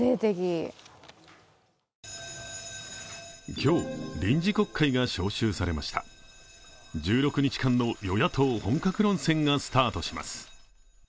今日、臨時国会が召集されました１６日間の与野党本格論戦がスタートします。